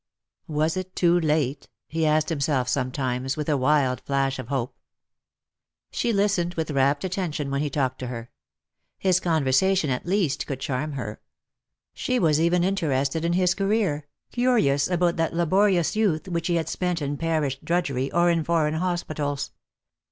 " Was it too late?" he asked himself sometimes, with a wild flash of hope. She listened with rapt attention when he talked to her. His conversation at least could charm her. She was even interested in his career — curious about that laborious youth which he had spent in parish drudgery or in foreign hospitals.